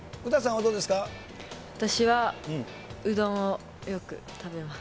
私はうどんをよく食べます。